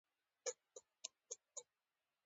طلا د افغان ماشومانو د لوبو موضوع ده.